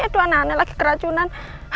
itu anak anak lagi keracunan